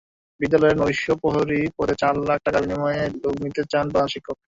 বিদ্যালয়ের নৈশপ্রহরী পদে চার লাখ টাকার বিনিময়ে লোক নিতে চান প্রধান শিক্ষক।